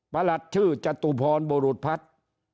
ประหลัดชื่อจตุพรโบรุภัทว์